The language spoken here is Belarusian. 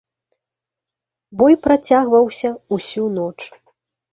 Бой працягваўся ўсю ноч.